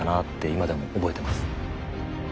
今でも覚えてます。